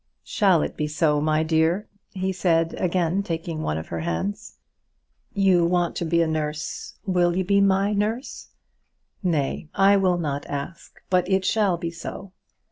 "Shall it be so, my dear?" he said, again taking one of her hands. "You want to be a nurse; will you be my nurse? Nay; I will not ask, but it shall be so.